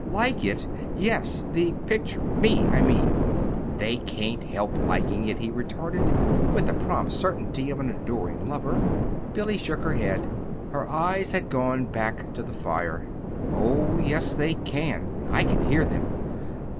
"Like it!" "Yes. The picture me, I mean." "They can't help liking it," he retorted, with the prompt certainty of an adoring lover. Billy shook her head. Her eyes had gone back to the fire. "Oh, yes, they can. I can hear them.